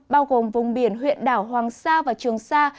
bao gồm vùng biển huyện đảo hoàng sa và trường sa